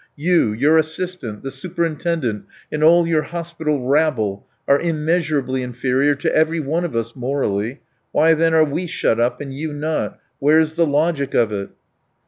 You, your assistant, the superintendent, and all your hospital rabble, are immeasurably inferior to every one of us morally; why then are we shut up and you not? Where's the logic of it?"